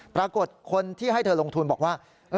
ปรากฏคนที่ให้เธอลงทุนบอกว่า